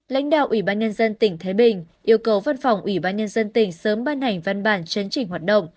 lãnh đạo ủy ban nhân dân tỉnh thái bình yêu cầu văn phòng ủy ban nhân dân tỉnh sớm ban hành văn bản chấn chỉnh hoạt động